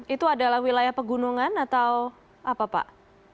itu adalah wilayah pegunungan atau apa pak